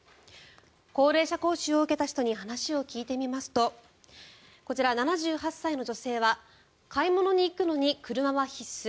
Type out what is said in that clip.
高齢者講習を受けた人に話を聞いてみますとこちら、７８歳の女性は買い物に行くのに車は必須。